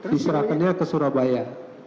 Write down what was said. diserahkannya ke surabaya